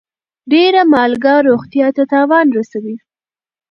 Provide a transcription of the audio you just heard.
ډيره مالګه روغتيا ته تاوان رسوي.